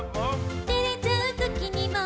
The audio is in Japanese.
「照れちゃう時にも」